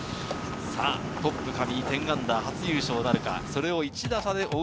トップ・上井は−１０、初優勝なるか？